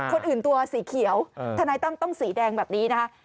ตัวสีเขียวทนายตั้มต้องสีแดงแบบนี้นะคะ